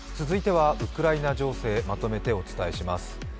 続いてはウクライナ情勢、まとめてお伝えします。